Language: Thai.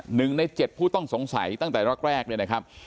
หนึ่งในเจ็ดผู้ต้องสงสัยตั้งแต่แรกแรกเนี่ยนะครับ